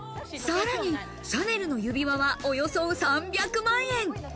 さらにシャネルの指輪は、およそ３００万円。